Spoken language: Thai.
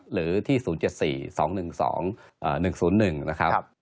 หรือที่๐๗๔๒๑๒๑๐๑นะครับ